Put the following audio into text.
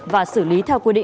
và xử lý theo dõi